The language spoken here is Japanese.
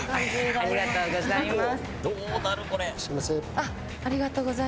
ありがとうございます。